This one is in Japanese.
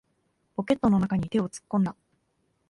ポケットの中に手を突っ込んだ。